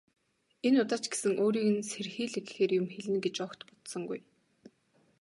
Энэ удаа ч гэсэн өөрийг нь сэрхийлгэхээр юм хэлнэ гэж огт бодсонгүй.